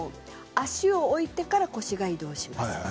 足を置いてから腰を移動します。